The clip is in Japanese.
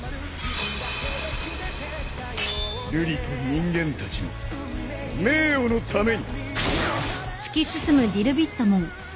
瑠璃と人間たちの名誉のために！